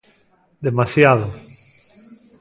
Demasiado.